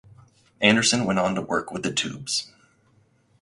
Anderson went on to work with the Tubes.